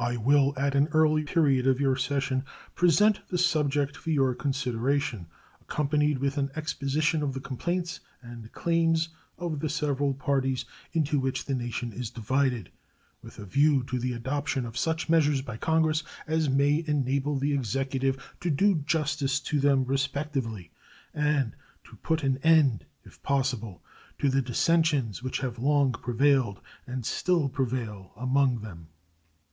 I will at an early period of your session present the subject for your consideration, accompanied with an exposition of the complaints and claims of the several parties into which the nation is divided, with a view to the adoption of such measures by Congress as may enable the Executive to do justice to them, respectively, and to put an end, if possible, to the dissensions which have long prevailed and still prevail among them.